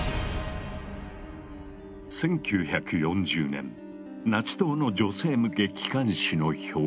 １９４０年ナチ党の女性向け機関紙の表紙。